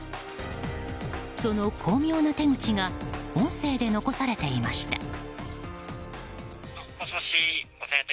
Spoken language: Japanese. その巧妙な手口が音声で残されていました。